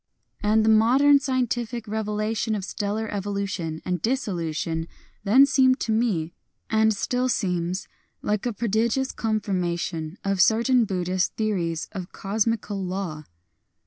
And the modern scientific revela tion of stellar evolution and dissolution then seemed to me, and still seems, like a prodi gious confirmation of certain Buddhist theo ries of cosmical law.